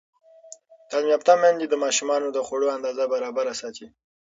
تعلیم یافته میندې د ماشومانو د خوړو اندازه برابره ساتي.